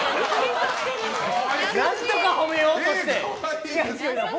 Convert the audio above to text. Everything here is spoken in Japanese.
何とか褒めようとして。